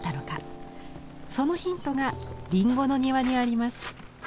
そのヒントが林檎の庭にあります。